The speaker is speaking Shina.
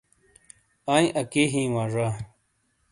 آٸی اکی ہیٸی وا زا.